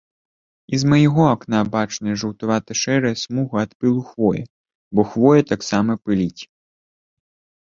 І з майго акна бачная жаўтавата-шэрая смуга ад пылку хвоі, бо хвоя таксама пыліць.